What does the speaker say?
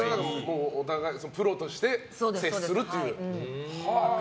お互いプロとして接するという。